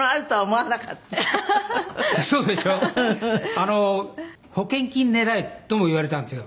あの保険金狙いとも言われたんですよ。